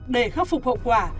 để khắc phục hậu quả